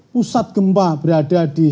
pusat gempa berada di